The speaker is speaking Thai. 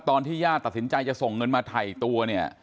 ตอนที่ญาติตัดสินใจจะส่งเงินมาถ่ายตัวเนี่ย